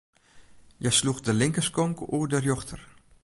Hja sloech de linkerskonk oer de rjochter.